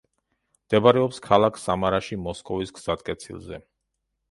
მდებარეობს ქალაქ სამარაში მოსკოვის გზატკეცილზე.